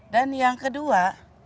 dan yang kedua